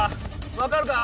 分かるか？